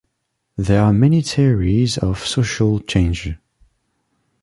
There are many theories of social change.